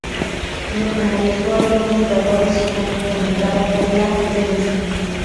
Lo que molestó a algunos jugadores, y fue muy comentado por la prensa.